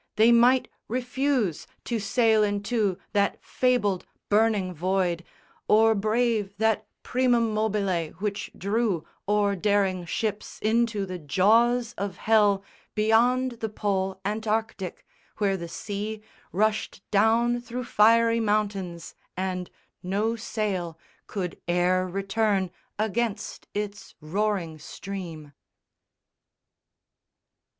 They might refuse To sail into that fabled burning Void Or brave that primum mobile which drew O'er daring ships into the jaws of hell Beyond the Pole Antarticke, where the sea Rushed down through fiery mountains, and no sail Could e'er return against its roaring stream.